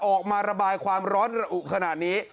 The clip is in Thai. ออกมาระบายความร้อนระอุขนาดนี้